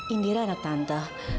indira anak tante